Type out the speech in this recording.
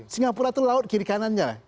singapura itu laut kiri kanannya